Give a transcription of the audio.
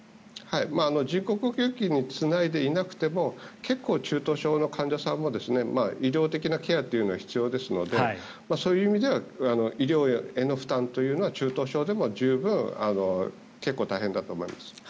人工呼吸器につないでいなくても結構、中等症の患者さんも医療的なケアというのは必要ですのでそういう意味では医療への負担というのは中等症でも結構大変だと思います。